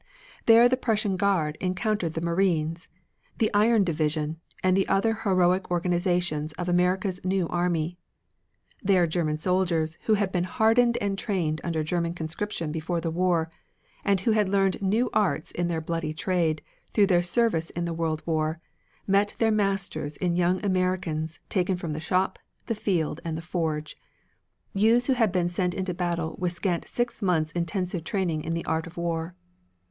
There the Prussian Guard encountered the Marines, the Iron Division and the other heroic organizations of America's new army. There German soldiers who had been hardened and trained under German conscription before the war, and who had learned new arts in their bloody trade, through their service in the World War, met their masters in young Americans taken from the shop, the field, and the forge, youths who had been sent into battle with a scant six months' intensive training in the art of war.